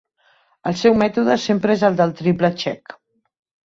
El seu mètode sempre és el del triple check.